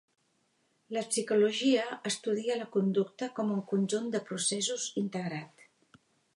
La psicologia estudia la conducta com un conjunt de processos integrat.